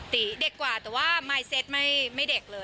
เด็กกว่าแต่ว่ามายเซตไม่เด็กเลย